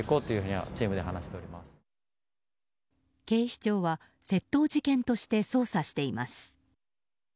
警視庁は窃盗事件として捜査しています。